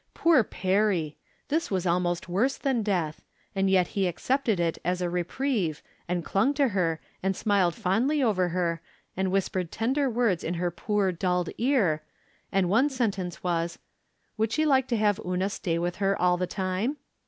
Poor Perry ! This was almost worse than death, and yet he accepted it as a reprieve, and clung to her, and smiled fondly over her, and whispered tender words in her poor dulled ear, and one sentence was, " "Would she like to have Una stay with her all the time